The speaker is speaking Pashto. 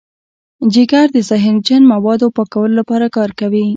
جگر د زهرجن موادو پاکولو لپاره کار کوي.